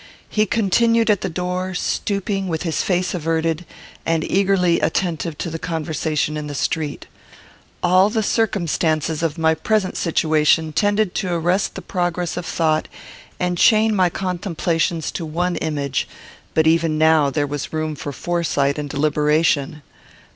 He continued at the door; stooping, with his face averted, and eagerly attentive to the conversation in the street. All the circumstances of my present situation tended to arrest the progress of thought and chain my contemplations to one image; but even now there was room for foresight and deliberation.